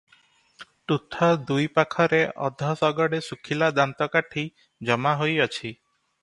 ତୁଠ ଦୁଇ ପାଖରେ ଅଧ ଶଗଡେ ଶୁଖିଲା ଦାନ୍ତକାଠି ଜମାହୋଇ ଅଛି ।